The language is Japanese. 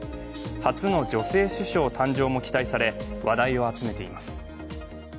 初の女性首相誕生も期待され話題を集めています。